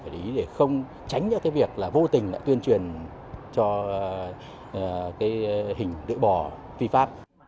để không tránh ra việc vô tình tuyên truyền cho hình lưỡi bò phi pháp